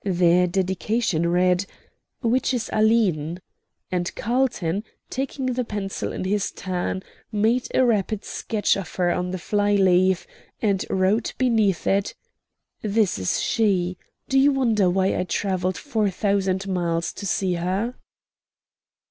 The dedication read, "Which is Aline?" And Carlton, taking the pencil in his turn, made a rapid sketch of her on the fly leaf, and wrote beneath it: "This is she. Do you wonder I travelled four thousand miles to see her?"